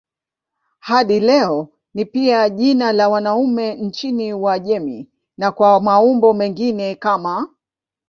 Hadi leo ni pia jina la wanaume nchini Uajemi na kwa maumbo mengine kama